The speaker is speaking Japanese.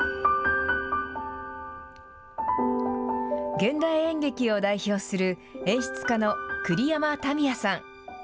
現代演劇を代表する演出家の栗山民也さん。